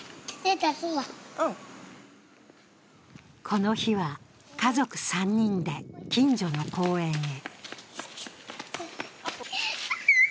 この日は、家族３人で近所の公園へ。